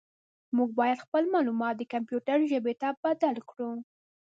موږ باید خپل معلومات د کمپیوټر ژبې ته بدل کړو.